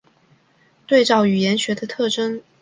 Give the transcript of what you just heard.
对照语言学的特征。